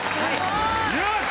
よし！